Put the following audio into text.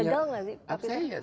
pernah gagal gak sih pak peter